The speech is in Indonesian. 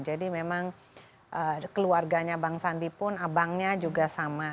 jadi memang keluarganya bang sandi pun abangnya juga sama